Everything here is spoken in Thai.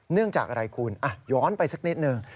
เนื่องจากอะไรคุณย้อนไปสักนิดหนึ่ง